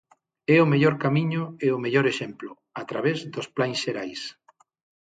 É o mellor camiño e o mellor exemplo, a través dos plans xerais.